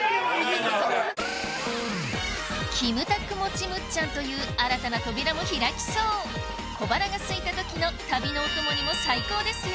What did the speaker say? キムタク持ちむっちゃんという新たな扉も開きそう小腹がすいたときの旅のお供にも最高ですよ